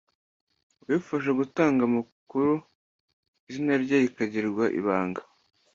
uwifuje gutanga amakuru, izina rye rikagirwa ibanga